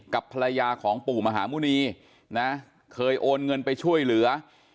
กับภรรยาของปู่มหาหมุณีนะเคยโอนเงินไปช่วยเหลือ